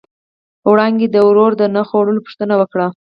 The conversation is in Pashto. وړانګې د ورور د نه خوړو پوښتنه وکړه.